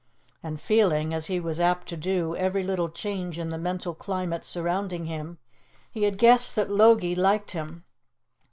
And feeling, as he was apt to do, every little change in the mental climate surrounding him he had guessed that Logie liked him.